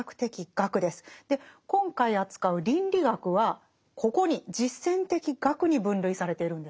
今回扱う倫理学はここに実践的学に分類されているんですね。